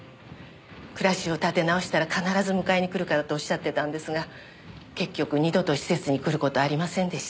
暮らしを立て直したら必ず迎えに来るからとおっしゃってたんですが結局二度と施設に来る事はありませんでした。